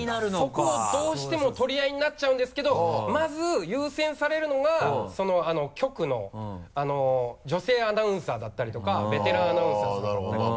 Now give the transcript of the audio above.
そこをどうしても取り合いになっちゃうんですけどまず優先されるのが局の女性アナウンサーだったりとかベテランアナウンサーさんだったりとか。